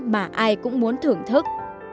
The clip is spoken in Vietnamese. mà ai cũng muốn thưởng thức